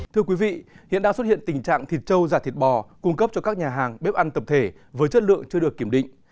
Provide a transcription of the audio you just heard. thưa quý vị hiện đang xuất hiện tình trạng thịt trâu giả thịt bò cung cấp cho các nhà hàng bếp ăn tập thể với chất lượng chưa được kiểm định